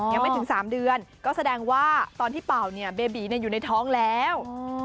ยังไม่ถึง๓เดือนก็แสดงว่าตอนที่เป่าเนี่ยเบบีอยู่ในท้องแล้ว